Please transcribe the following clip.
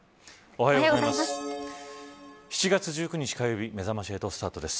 おはようございます。